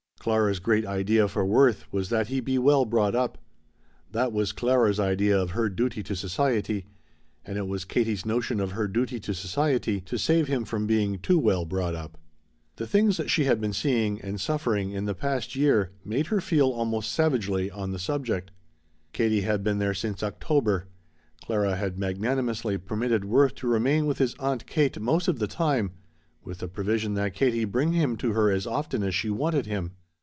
Clara's great idea for Worth was that he be well brought up. That was Clara's idea of her duty to society. And it was Katie's notion of her duty to society to save him from being too well brought up. The things she had been seeing, and suffering, in the past year made her feel almost savagely on the subject. Katie had been there since October. Clara had magnanimously permitted Worth to remain with his Aunt Kate most of the time, with the provision that Katie bring him to her as often as she wanted him.